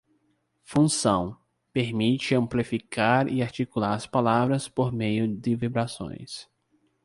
Função: permite amplificar e articular as palavras por meio de vibrações.